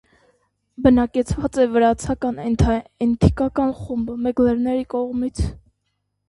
Բնակեցված է վրացական ենթաէթնիկական խումբ՝ մեգրելների կողմից։